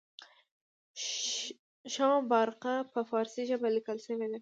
شمه بارقه په پارسي ژبه لیکل شوې ده.